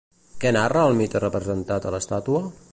Què narra el mite representat a l'estàtua?